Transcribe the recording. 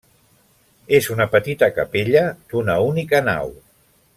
És una petita capella d’una única nau.